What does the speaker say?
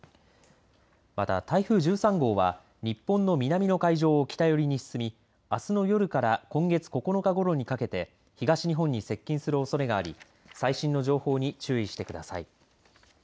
また、台風１３号は日本の南の海上を北寄りに進みあすの夜から今月９日ごろにかけて東日本に接近するおそれがあり最新の情報に注意してください。